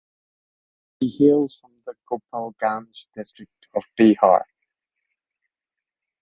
She hails from the Gopalganj district of Bihar.